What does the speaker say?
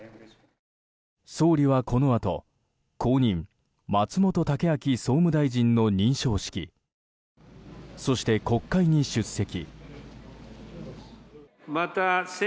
総理はこのあと、後任松本剛明総務大臣の認証式そして、国会に出席。